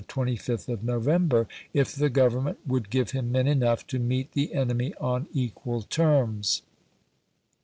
the 25th of November, if the Government would give him men enough to meet the enemy on equal terms.